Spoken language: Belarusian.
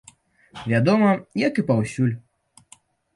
Вядома, як і паўсюль.